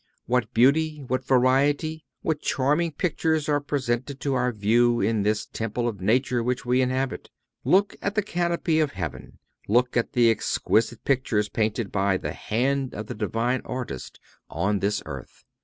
What beauty, what variety, what charming pictures are presented to our view in this temple of nature which we inhabit! Look at the canopy of heaven. Look at the exquisite pictures painted by the Hand of the Divine Artist on this earth.